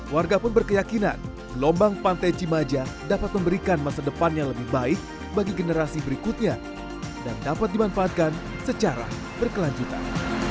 warga pun berkeyakinan gelombang pantai cimaja dapat memberikan masa depan yang lebih baik bagi generasi berikutnya dan dapat dimanfaatkan secara berkelanjutan